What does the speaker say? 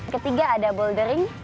ketiga ada bodybuilding